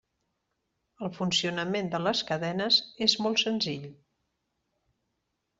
El funcionament de les cadenes és molt senzill.